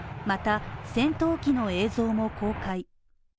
また、戦闘機の映像も公開。